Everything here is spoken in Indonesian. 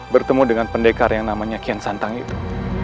bertemu dengan pendekar yang namanya kian santang itu